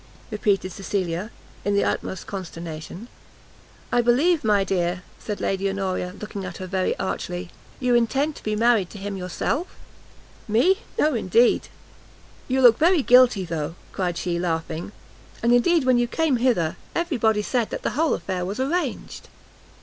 repeated Cecilia, in the utmost consternation. "I believe, my dear," cried Lady Honoria, looking at her very archly, "you intend to be married to him yourself?" "Me? no, indeed!" "You look very guilty, though," cried she laughing, "and indeed when you came hither, every body said that the whole affair was arranged."